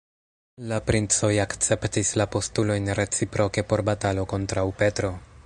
La princoj akceptis la postulojn reciproke por batalo kontraŭ Petro.